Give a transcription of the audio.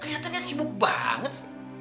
keliatannya sibuk banget